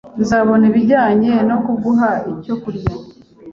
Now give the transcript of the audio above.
Nzabona ibijyanye no kuguha icyo kurya